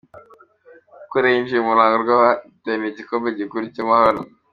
Mukura yinjiye mu ruhando rw’abahatanira igikombe cya gikuru cyamahoro